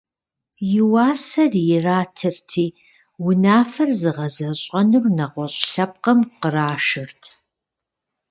И уасэр иратырти, унафэр зыгъэзэщӏэнур нэгъуэщӏ лъэпкъым кърашырт.